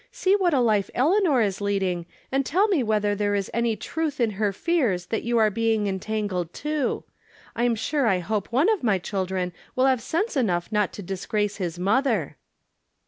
See what a life Eleanor is leading, and tell me whether there is any truth in her fears that you are being entangled, too. I'm sure I hope one of my chil dren will have sense enough not to disgrace his mother."